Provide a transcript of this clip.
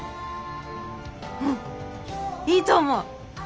うんいいと思う！